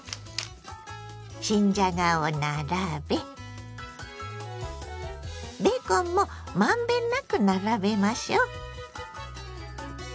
新じゃがを並べベーコンもまんべんなく並べましょう。